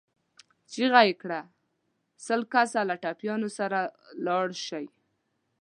چيغه يې کړه! سل کسه له ټپيانو سره لاړ شئ.